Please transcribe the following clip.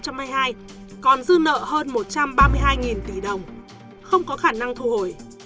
còn dư nợ hơn một trăm ba mươi hai tỷ đồng không có khả năng thu hồi